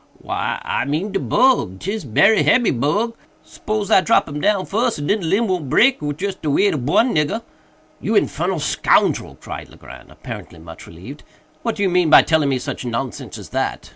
"Why I mean de bug. 'Tis berry hebby bug. Spose I drop him down fuss, and den de limb won't break wid just de weight ob one nigger." "You infernal scoundrel!" cried Legrand, apparently much relieved, "what do you mean by telling me such nonsense as that?